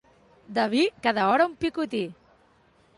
De vi, cada hora un picotí.